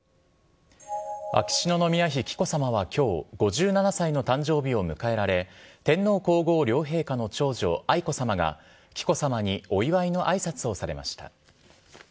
秋篠宮妃紀子さまはきょう、５７歳の誕生日を迎えられ、天皇皇后両陛下の長女、愛子さまが、紀子さまにお祝いのあいさつをされました。